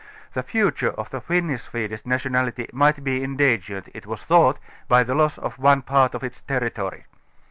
The future of the Finnish Swedish nationality might be endangered, it was thought, by the los^s of one part its territory.